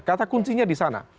kata kuncinya di sana